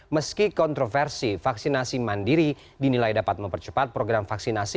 meski kontroversi vaksinasi mandiri dinilai dapat mempercepat program vaksinasi